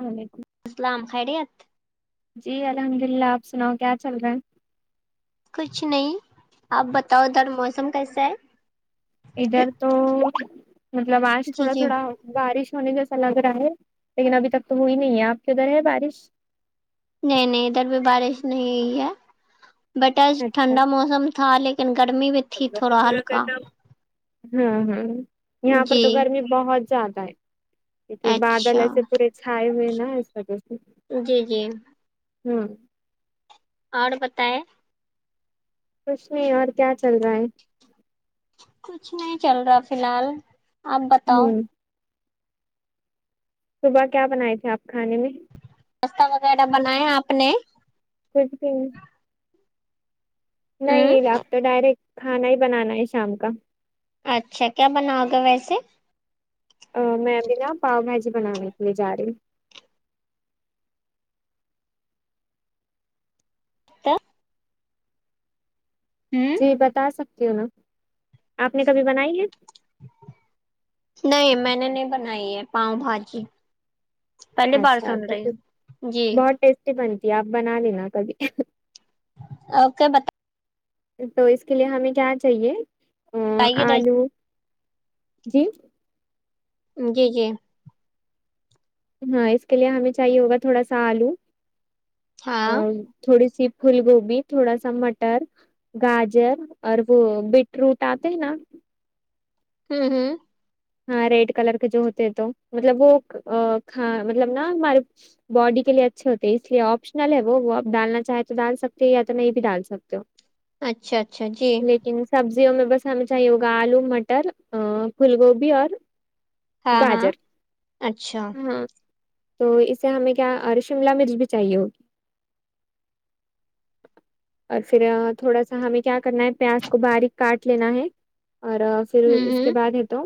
علیکم سلام خریت جی الحمد للہ آپ سناؤ کیا چل رہا ہے کچھ نہیں آپ بتاؤ ادھر موسم کیسا ہے ادھر تو مطلب آج جی تھوڑا جی تھوڑا بارش ہونے جیسا لگ رہا ہے لیکن ابھی تک تو ہوئی نہیں ہے آپ کے ادھر ہے بارش نہیں نہیں ادھر بھی بارش نہیں ہوئی ہے بٹ آج ٹھنڈا موسم تھا لیکن لیکن گرمی میں [unintelligible] ہ ہ یہاں پر جی تو گرمی بہت زیادہ ہے کیونکہ بادل اچھا ایسے پورے چھائے ہوئے نا اس وجہ سے جی جی ہوں اور بتائے کچھ نہیں اور کیا چل رہا ہے کچھ نہیں چل رہا فی الحال آپ بتاؤ ہوں صبح کیا بنائے تھے آپ کھانے میں ناستہ وغیرہ بنایا آپ نے [unintelligible] بھی ہ نہیں اب تو ڈائریکٹ کھانا ہی بنانا ہے شام کا اچھا کیا بناؤگے ویسے میں ابھی نا پاؤ بھاجی بنانے کے لیے جا رہی ہوں تو ہ جی بتا سکتی ہو نا آپ نے کبھی بنائی ہے نہیں میں نے نہیں بنائی ہے پاؤ بھاجی پہلی بار اچھا سن تو رہی پھر ہو جی بہت ٹیسٹی بنتی ہے آپ بنا لینا کبھی اوکے بتا تو اس کے لیے ہمیں کیا چاہیے بتائیے ریسیپی۔ آلو جی جی جی ہاں اس کے لیے ہمیں چاہیے ہوگا تھوڑا سا آلو آ، ہاں تھوڑی سی پھول گوبھی تھوڑا سا مٹر گاجر اور وہ بیٹروٹ آتے ہے نا ہوں ہوں ہاں ریڈ کلر کے جو ہوتے ہیں تو مطلب وہ کھا مطلب نا ہمارے باڈی کے لیے اچھے ہوتے ہیں اس لیے آپشنل ہے وہ وہ اب ڈالنا چاہے تو ڈال سکتے یا تو نہیں بھی ڈال سکتے ہو اچھا اچھا جی ان سبزیوں میں بس ہمیں چاہیے ہوگا آلو مٹر پھول گوبھی اور ہاں ہاں گاجر اچھا ہاں تو اسے ہمیں کیا اور شملہ مرچ بھی چاہیے ہوگی اور پھر تھوڑا سا ہمیں کیا کرنا ہے پیاز کو باریک کاٹ لینا ہے اور پھر ہوں اس کے ہوں بعد ہے تو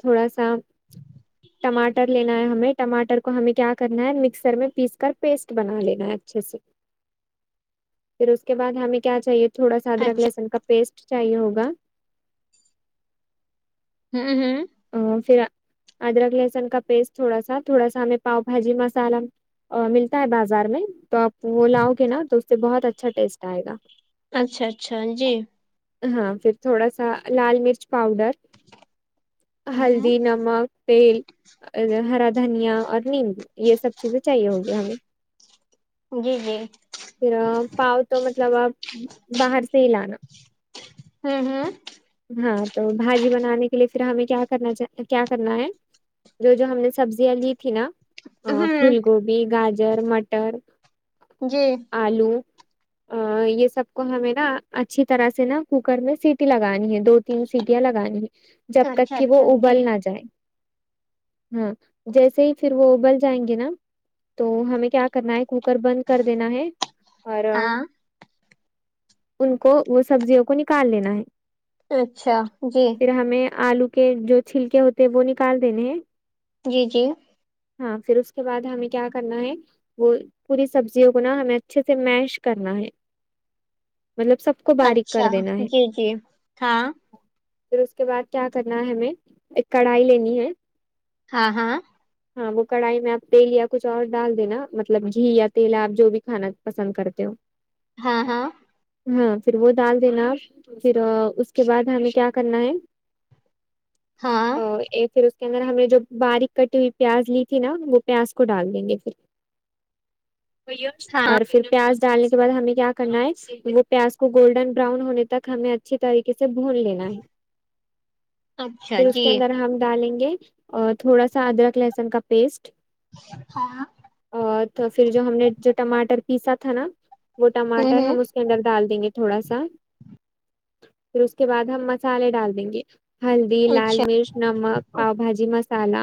تھوڑا سا ٹماٹر لینا ہے ہمیں ٹماٹر کو ہمیں کیا کرنا ہے مکسر میں پیس کر پیسٹ بنا لینا ہے اچھے سے پھر اس کے بعد ہمیں کیا چاہیے تھوڑا سا ادرک اچھا لہسن کا پیسٹ چاہیے ہوگا ہوں ہوں ا پھر ادرک لہسن کا پیسٹ تھوڑا سا تھوڑا سا ہمیں پاؤ بھاجی مسالہ ملتا ہے بازار میں تو آپ وہ لاؤ گے نا تو اس سے بہت اچھا ٹیسٹ آئے گا اچھا اچھا جی ہاں پھر تھوڑا سا لال مرچ پاؤڈر ہوں ہلدی نمک تیل ہرا دھنیا اور نیمبو یہ سب چیزیں چاہیے ہوگی ہمیں جی جی پھر پاؤ تو مطلب آپ باہر سے ہی لانا ہوں ہوں ہاں تو بھاجی بنانے لیے پھر ہمیں کیا کرنا کیا کرنا ہے جو جو ہم نے سبزیاں لی تھی نا ہاں پھول ہوں گوبھی گاجر مٹر جی آلو یہ سب کو ہمیں نا اچھی طرح سے نا کوکر میں سیٹی لگانی ہے دو تین سیٹیاں لگانی ہے جب تک اچھا کہ وہ اچھا جی ابل نہ جائے ہاں جیسے ہی پھر وہ ابل جائیں گے نا تو ہمیں کیا کرنا ہے کوکر بند کر دینا ہے اور ہاں ان کو وہ سبزیوں کو نکال لینا ہے اچھا جی پھر ہمیں آلو کے جو چھلکے ہوتے وہ نکال دینے ہیں جی جی ہاں پھر اس کے بعد ہمیں کیا کرنا ہے وہ پوری سبزیوں کو نا ہمیں اچھے سے میش کرنا ہے مطلب سب کو باریک کر اچھا دینا ہے جی جی ہاں پھر اس کے بعد کیا کرنا ہے ہمیں ایک کڑھائی لینی ہے ہاں ہاں ہاں وہ کڑھائی میں آپ تیل یا کچھ اور ڈال دینا مطلب گھی یا تیل ہے آپ جو بھی کھانا پسند کرتے ہو ہاں ہاں ہاں پھر وہ ڈال دینا پھر اس کے بعد ہمیں کیا کرنا ہے ہاں پھر اس کے اندر ہم نے جو باریک کٹی ہوئی پیاز لی تھی نا وہ پیاز کو ڈال دیں گے پھر ہاں اور پھر پیاز ڈالنے کے بعد ہمیں کیا کرنا ہے وہ پیاز کو گولڈن براؤن ہونے تک ہمیں اچھی طریقے سے بھون لینا ہے اچھا پھر اس جی کے اندر ہم ڈالیں گے اور تھوڑا سا ادرک لہسن کا پیسٹ ہاں اور تو پھر جو ہم نے جو ٹماٹر پیسا تھا نا وہ ہوں ٹماٹر ہوں ہم اس کے اندر ڈال دیں گے تھوڑا سا پھر اس کے بعد ہم مسالے ڈال دیں گے ہلدی لال اچھا مرچ نمک پاؤ بھاجی مسال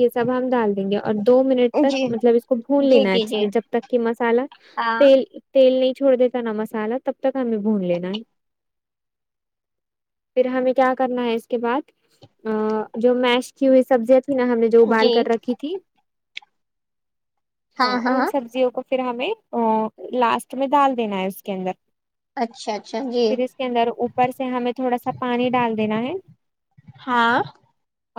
یہ سب ہم ڈال دیں گے اور دو منٹ جی تک مطلب اس کو بھون جی لینا ہے جی اچھے جی سے جب تک کہ مسالا ہاں تیل نہیں چھوڑ دیتا نا مسالا تب تک ہمیں بھون لینا ہے پھر ہمیں کیا کرنا ہے اس کے بعد جو میش کی ہوئی سبزیاں تھھی نا ہم نے ابال جی کر رکھی تھی ہاں ان سبزیوں کو پھر ہمیں لاسٹ میں ڈال دینا ہے اس کے اندر اچھا اچھا جی پھر اس کے اندر اوپر سے ہمیں تھوڑا سا پانی ڈال دینا ہے ہاں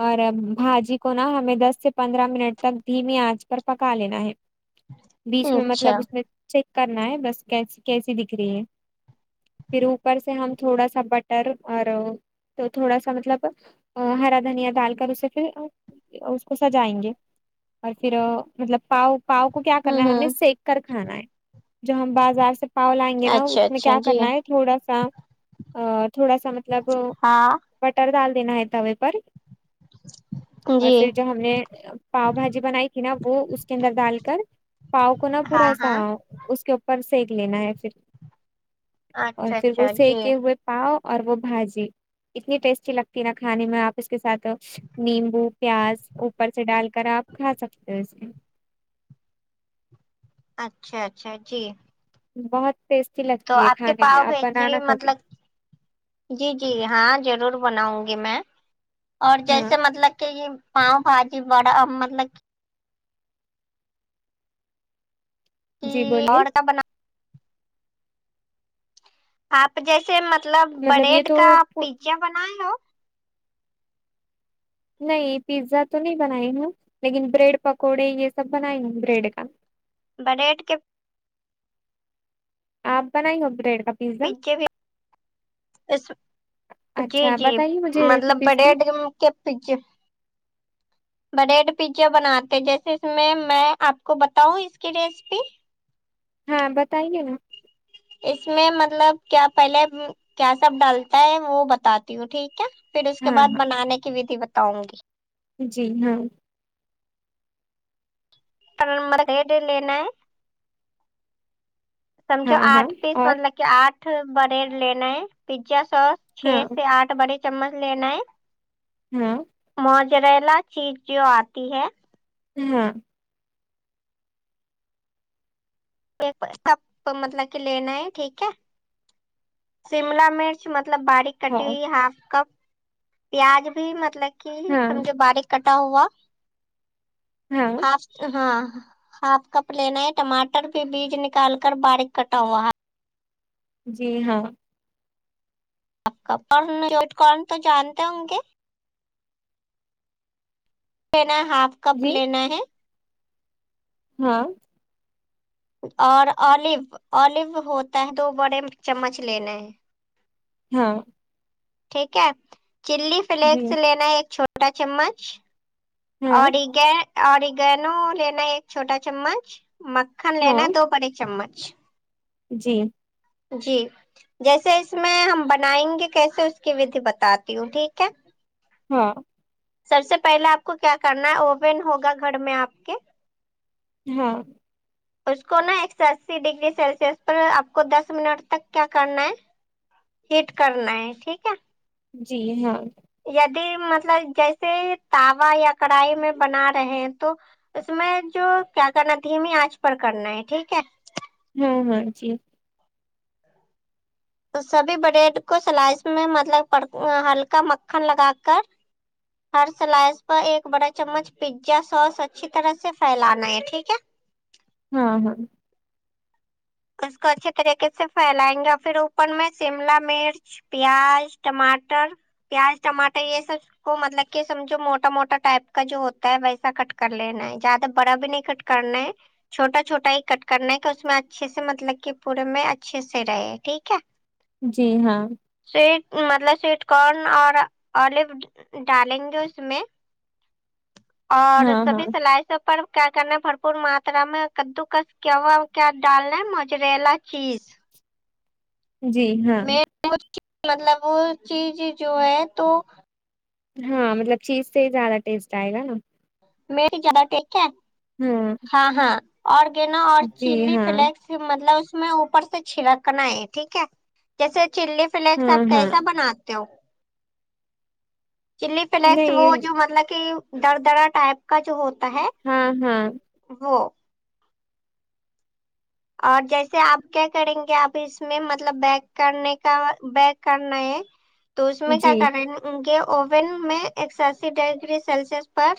اور بھاجی کو نہا ہمیں دس سے پندرہ منٹ تک دھیمی آنچ پر پکا لینا ہے بیچ میں اچھا مطلب اس میں چیک کرنا ہے بس کیسی کیسی دکھ رہی ہے پھر اوپر سے ہم تھوڑا سا بٹ ر اور تو تھوڑا سا مطلب ہرا دھنیا ڈال کر اسے پھر اس کو سجائیں گے اور پھر مطلب پاؤ پاؤ کو کیا ہوں کرنا ہے ہمیں ہوں سک کر کھانا ہے جو ہم بازار سے پاؤ لئیں گے نا اس اچھا میں اچھا کیا جی کرنا ہے تھوڑا سا تھوڑا سا مطلب ہاں بٹر ڈال دینا ہے توے پر جی اور پھر جو ہم نے پاؤ بھاجی بنائی تھی نا وہ اس کے اندر ڈال کر پاؤ کو نا ہاں پورا سا ہاں اس کے اوپر سک لینا ہے پھر اور اچھا پھر وہ اچھا جی سکے ہوئے پاؤ اور وہ بھاجی اتنی ٹیسٹی لگتی نا کھانے میں آپ اس کے ساتھ نیمبو پیاز اوپر سے ڈال کر آپ کھا سکتے ہو اس میں اچھا اچھا جی بہت ٹیسٹی تو لگتی ہے آپ کے کھانے میں پاؤ اب بنانا بھیجی کبھی مطلب جی جی ہاں ضرور بناؤں گی میں اور ہاں جیسے مطلب کہ یہ پاؤ بھاجی بڑا مطلب جی کہ بولیے اور کا بنا آپ جیسے مطلب مطلب یہ بریڈ تو کا پیزا بنائے ہو نہیں پیزا تو نہیں بنائی ہوں لیکن بریڈ پکوڑے یہ سب بنائی ہوں بریڈ کا بریڈ کے اپ بنائی ہو بریڈ اپگریڈ پچھے بھی اس جی اچھا جی بتائیے مجھے مطلب ریسیپیز بڑے کی اڈ کے پے بریڈ پیزا بناتے جیسے اس میں میں آپ کو بتاؤں اس کی ریسیپی ہاں بتائیے نا اس میں مطلب کیا پہلے کیا سب ڈالتا ہے وہ بتاتی ہوں ٹھیک ہے پھر اس کے ہاں بعد بنانے کی ودھی بتاؤں گی جی ہاں مرڈ لینا ہے سمجھو ہاں ہاں آٹھ پیس اور مطلب آٹھ بڑے لینا ہے پیزا سوس ہاں چھ سے آٹھ بڑے چمچ لینا ہے ہاں موجریلا چیز جو آتی ہے ہاں ہاں پ کا مطلب کہ لینا ہے ٹھیک ہے شملا مرچ مطلب باریک کٹی ہاں ہوئی ہاف کپ پیاز بھی مطلب کہ ہاں سمجھو باریک کٹا ہوا ہاں آپ ہاں آپ کپ لینا ہے ٹماٹر کے بیج نکال کر باریک کٹا ہوا ہے جی ہاں آپ کا پرنا جوٹ کرن تو جانتے ہوں گے لینا ہاف کپ جی لینا ہے ہاں اور اولیو اولیو ہوتا ہے دو بڑے چمچ لینے ہیں ہاں ٹھیک ہے چلی جی فلیکس لینا ہے ایک چھوٹا چمچ ہاں اورگ اوریگینو لینا ہے ایک چھوٹا چمچ مکھن لینا ہاں دو بڑے چمچ جی جی جیسے اس میں ہم بنائیں گے کیسے اس کی ویدہی بتاتی ہوں ٹھیک ہے ہاں سب سے پہلا آپ کو کیا کرنا ہے اوون ہوگا گھر میں آپ کے ہاں اس کو نا ایک سو اسی ڈگری سیلسس پر آپ کو دس منٹ تک کیا کرنا ہے ہیٹ کرنا ہے ٹھیک ہے جی ہاں یدی مطلب جیسے توا یا کڑھائی میں بنا رہے ہیں تو اس میں جو کیا کرنا دھیمی آنچ پر کرنا ہے ٹھیک ہے ہاں ہاں جی سبھی بریڈ کو سلائس میں مطلب ہلکا مکھن لگا کر ہر سلائس پر ایک بڑا چمچ پیتزا سوس اچھی طرح سے پھیلانا ہے ٹھیک ہے ہاں ہاں اس کو اچھے طریقے سے پھیلائیں گے پھر اوپر میں شملہ مرچ پیاز ٹماٹر پیاز ٹماٹر یہ سب کو مطلب کہ سمجھو موٹا موٹا ٹائپ کا جو ہوتا ہے ویسا کٹ کر لینا ہے زیادہ بڑا بھی نہیں کٹ کرنے چھوٹا چھوٹا ہی کٹ کرنے کہ اس میں اچھے سے مطلب کہ پورے میں اچھے سے رہے ٹھیک ہے جی ہاں سویٹ مطلب سویٹ کارن اور اولیو ڈالیں گے اس میں اور ہاں سبھی ہاں سلائیسوں پر کیا کرنا بھرپور ماترا میں کدوکس کیا ہوا ڈالنا موجریلا چیز جی ہاں م مطلب وہ چیز جو ہے تو ہاں مطلب چیز سے ہی زیادہ ٹیسٹ آئے گا نا میادہ ٹھیک ہے ہاں ہاں اوررگین اور جی چلی ہاں فلیکس مطلب اس میں اوپر سے چھینکنا ہے ٹھیک ہے جیسے چلی فلیکس ہاں آپ ہاں کیسا بناتے ہو چلی فلیکس وہ نہیں جو مطلب کہ در درا ٹائپ کا جو ہوتا ہے ہاں ہاں وہ اور جیسے آپ کیا کریں گے اب اس میں مطلب بیک کرنے کا بیک کرنا ہے تو اس میں کیا جی کریں ان کے اوون میں ایک سوی ڈگری سیلسس پر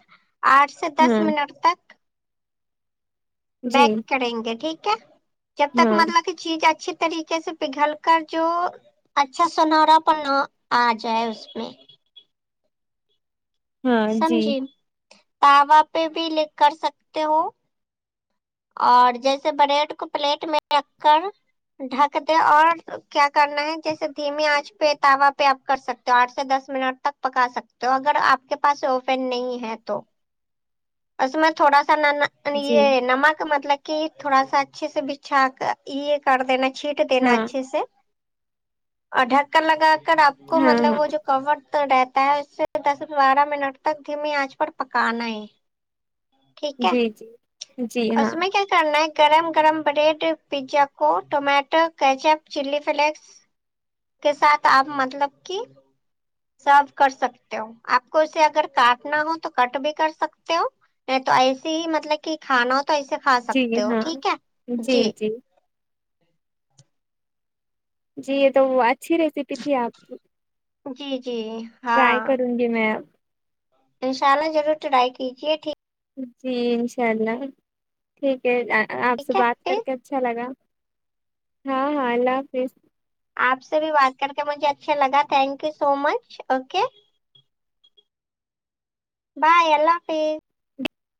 آٹ سے دس ہاں منٹ تک جی بیک کریں گے ٹھیک ہے جب تک ہاں مطلب کی چیز اچھی طریقے سے پگھل کر جو اچھا سنہرا پن آ جائے اس میں ہاں جی سمجھی تاوا پہ بھی لے کر سکتے ہو اور جیسے بریڈ کو پلیٹ میں رکھ کر ڈھک دے اور کیا کرنا ہے جیسے دھیمی آنچ پہ تاوا پہ آپ کر سکتے ہو آٹھ سے دس منٹ تک پکا سکتے ہو اگر آپ کے پاس اوین نہیں ہے تو اس میں تھوڑا سا ن ن جی یہ نمک مطلب کہ تھوڑا سا اچھے سے بچھا کر یہ کر دینا چھیٹ دینا ہاں اچھے سے اور ڈھکن لگا کر آپ کو ہاں مطلب وہ ہاں جو کور تو رہتا ہے اس سے دس بارہ منٹ تک دھیمی آنچ پر پکانا ہے ٹھیک ہے جی جی جی اس ہاں میں کیا کرنا ہے گرم گرم بریڈ پیزا کو ٹومیٹو کیچپ چلی فلیکس کے ساتھ آپ مطلب کی سرو کرسکتے ہو آپ کو اسے اگر کاٹنا ہو تو کٹ بھی کر سکتے ہو تو ایسے ہی مطلب کہ کھانا ہو تو ایسے کھا جی سکتے ہو ہاں ٹھیک ہے جی جی یہ تو اچھی ریسیپی تھی آپ کی جی جی امم ٹرائی کروں گی میں انشاء اللہ ضرور ٹرائی کیجیے ٹھیک جی انشاء اللہ ٹھیک ہے آپ سے ٹھیک ہے بات پھر کرکے اچھا لگا ہاں ہاں اللہ حافظ آپ سے بھی بات کرکے مجھے اچھا لگا thank you so much okay bye اللہ حافظ